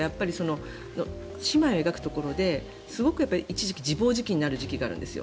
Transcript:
姉妹を描くところで一時期、自暴自棄になるところがあるんです。